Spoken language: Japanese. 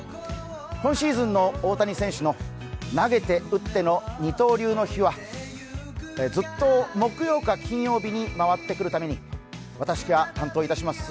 今シーズンの大谷選手の投げて、打っての二刀流の日はずっと木曜か金曜日に回ってくるために、私が担当いたします